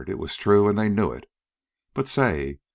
It was true, an' they knew it. But say!